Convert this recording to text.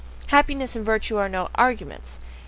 Happiness and virtue are no arguments.